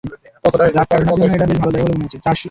রাত কাটানোর জন্য এটা বেশ ভাল জায়গা বলে মনে হচ্ছে।